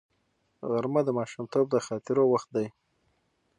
غرمه د ماشومتوب د خاطرو وخت دی